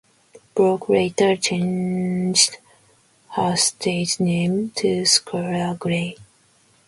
Brook later changed her stage name to Skylar Grey.